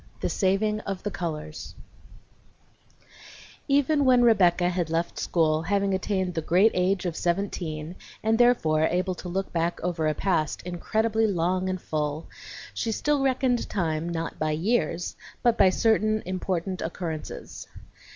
THE SAVING OF THE COLORS I Even when Rebecca had left school, having attained the great age of seventeen and therefore able to look back over a past incredibly long and full, she still reckoned time not by years, but by certain important occurrences.